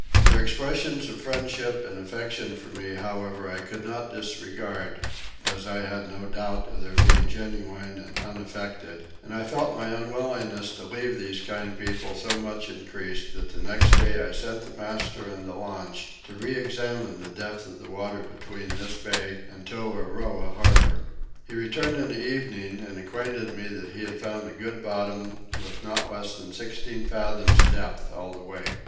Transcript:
Their expressions of friendship and affection for me however I could not disregard, as I had no doubt of their being genuine and unaffected, and I felt my unwillingness to leave these kind people so much increased that the next day I sent the master in the launch to reexamine the depth of water between this bay and Toahroah harbour. He returned in the evening and acquainted me that he found a good bottom with not less than sixteen fathoms depth all the way.